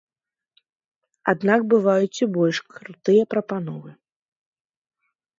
Аднак бываюць і больш крутыя прапановы.